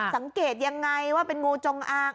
สังเกตยังไงว่าเป็นงูจงอาง